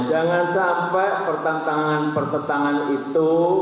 jangan sampai pertentangan pertentangan itu